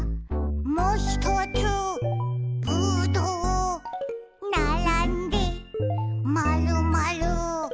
「もひとつぶどう」「ならんでまるまる」